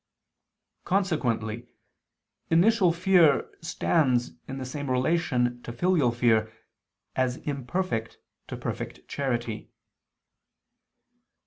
Consequently initial fear stands in the same relation to filial fear as imperfect to perfect charity.